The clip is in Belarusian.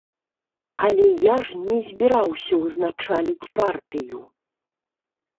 Але я ж не збіраўся ўзначаліць партыю!